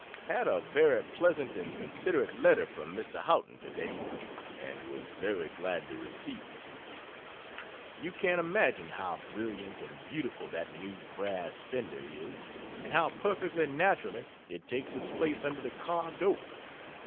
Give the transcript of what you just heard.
Had a very pleasant and considerate letter from Mr. Houghton, today, and was very glad to receive it. You can't imagine how brilliant and beautiful that new brass fender is, and how perfectly naturally it takes its place under the carved oak.